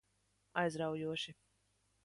Aizraujoši.